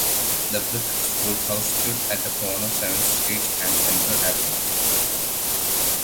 The brick schoolhouse stood at the corner Seventh Street and Central Avenue.